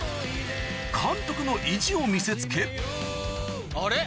監督の意地を見せつけあれ？